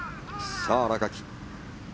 さあ新垣